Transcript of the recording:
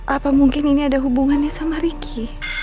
apa mungkin ini ada hubungannya sama ricky